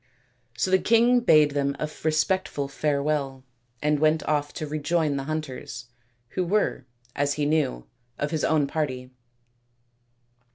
So the king bade them a respectful farewell and went off to SAKUNTALA AND DUSHYANTA 229 rejoin the hunters, who were, as he knew, of his own party.